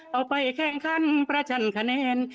เอาไปแข่งขันประชันคะแนน